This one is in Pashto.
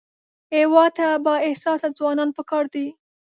هېواد ته بااحساسه ځوانان پکار دي